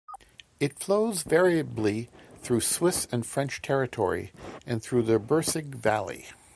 It flows variably through Swiss and French territory and through the Birsig Valley.